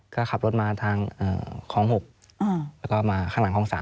ก็ขับรถมาทางคลอง๖แล้วก็มาข้างหลังคลอง๓